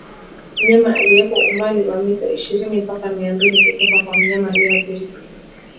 Mnyama aliyeko umbali wa mita ishirini mpaka mia mbili kutoka kwa mnyama aliyeathirika